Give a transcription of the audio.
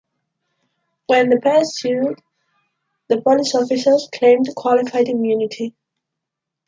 When the pair sued, the police officers claimed qualified immunity.